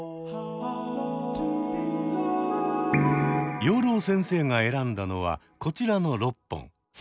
養老先生が選んだのはこちらの６本。